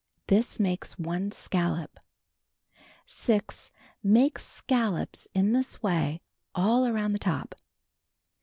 This makes 1 scallop. 6. Make scallops in this way all around the top.